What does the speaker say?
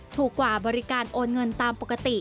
ถูกกว่าบริการโอนเงินตามปกติ